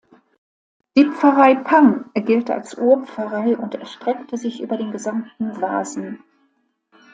Die Pfarrei Pang gilt als Urpfarrei und erstreckte sich über den gesamten Wasen.